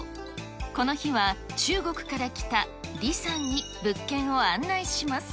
この日は、中国から来た李さんに物件を案内します。